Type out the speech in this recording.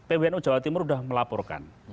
pwnu jawa timur sudah melaporkan